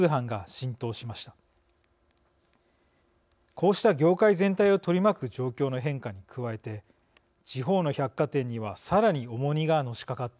こうした業界全体を取り巻く状況の変化に加えて地方の百貨店にはさらに重荷がのしかかっています。